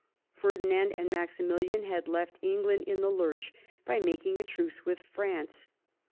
Ferdinand and Maximilian had left England in the lurch by making a truce with France.